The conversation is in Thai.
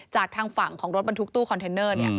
จากทางฝั่งของรถบรรทุกตู้คอนเทนเนอร์